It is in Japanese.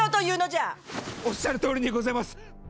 おっしゃるとおりにございます！